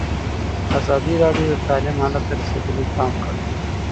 ازادي راډیو د تعلیم حالت ته رسېدلي پام کړی.